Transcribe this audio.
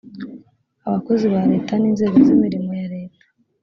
abakozi ba leta n inzego z imirimo ya leta